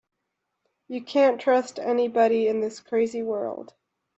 You can't trust anybody in this crazy world.